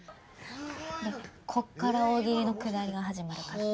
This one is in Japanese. こっから大喜利のくだりが始まるから。